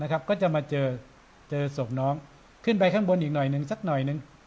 นะครับก็จะมาเจอเจอส่วนน้องขึ้นไปข้างบนอีกหน่อยหนึ่งสักหน่อยหนึ่ง